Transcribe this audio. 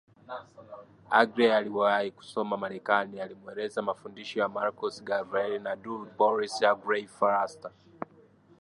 Aggrey aliyewahi kusoma Marekani alimweleza mafundisho ya Marcus Garvey na Du Bois Aggrey Fraser